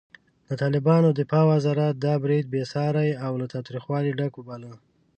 د طالبانو دفاع وزارت دا برید بېساری او له تاوتریخوالي ډک وباله.